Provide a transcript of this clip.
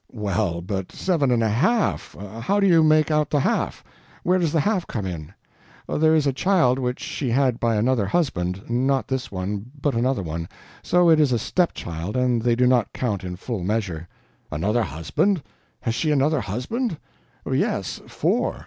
"Well, but seven and a HALF? How do you make out the half? Where does the half come in?" "There is a child which she had by another husband not this one but another one so it is a stepchild, and they do not count in full measure." "Another husband? Has she another husband?" "Yes, four.